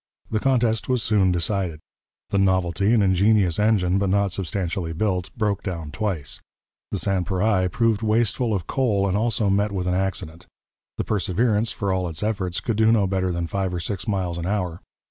The contest was soon decided. The Novelty, an ingenious engine but not substantially built, broke down twice. The Sans pareil proved wasteful of coal and also met with an accident. The Perseverance, for all its efforts, could do no better than five or six miles an hour.